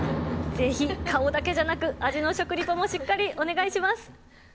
ぜひ、顔だけじゃなく、味の食リポもしっかりお願いします。